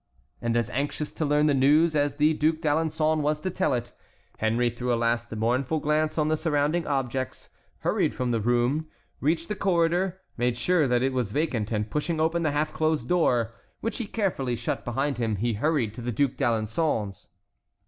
And as anxious to learn the news as the Duc d'Alençon was to tell it, Henry threw a last mournful glance on the surrounding objects, hurried from the room, reached the corridor, made sure that it was vacant, and pushing open the half closed door, which he carefully shut behind him, he hurried to the Duc d'Alençon's.